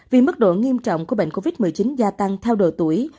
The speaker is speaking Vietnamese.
vì mức độ nghiêm trọng của bệnh covid một mươi chín gia tăng theo độ tuổi